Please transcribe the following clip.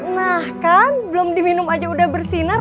nah kan belum diminum aja udah bersinar